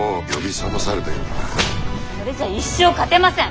それじゃあ一生勝てません！